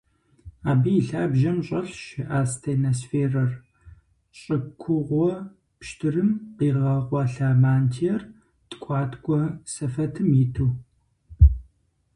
Абы и лъабжьэм щӀэлъщ астеносферэр: щӀы кугъуэ пщтырым къигъэкъуэлъа мантиер ткӀуаткӀуэ сэфэтым иту.